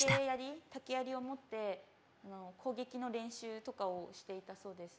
竹やりを持って攻撃の練習とかをしていたそうです。